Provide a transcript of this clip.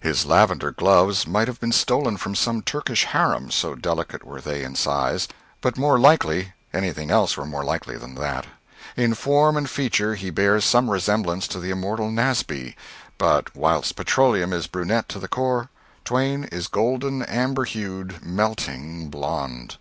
His lavender gloves might have been stolen from some Turkish harem, so delicate were they in size; but more likely anything else were more likely than that. In form and feature he bears some resemblance to the immortal Nasby; but whilst Petroleum is brunette to the core, Twain is golden, amber hued, melting, blonde."